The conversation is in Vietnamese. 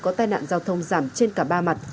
có tai nạn giao thông giảm trên cả ba mặt